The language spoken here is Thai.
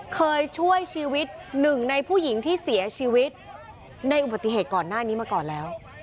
เคยช่วยชีวิตหนึ่งในผู้หญิงที่เสียชีวิตในอุบัติเหตุก่อนหน้านี้มาก่อนแล้ว